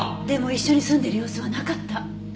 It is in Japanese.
でも一緒に住んでいる様子はなかった。